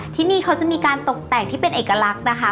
ที่นี่เขาจะมีการตกแต่งที่เป็นเอกลักษณ์นะคะ